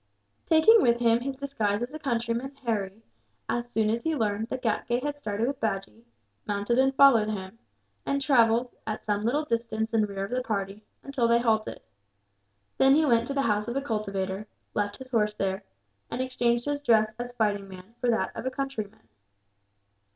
Taking with him his disguise as a countryman, Harry, as soon as he learned that Ghatgay had started with Bajee, mounted and followed him; and travelled, at some little distance in rear of the party, until they halted. Then he went to the house of a cultivator, left his horse there, and exchanged his dress as fighting man for that of a countryman.